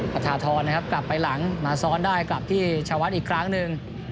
ปททกลับไปหลังมาซ้อนได้กลับที่ชาวัดอีกครั้งหนึ่ง